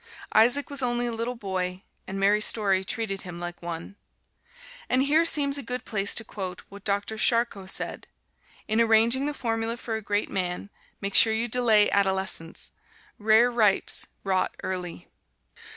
Isaac was only a little boy, and Mary Story treated him like one. And here seems a good place to quote what Doctor Charcot said, "In arranging the formula for a great man, make sure you delay adolescence: rareripes rot early."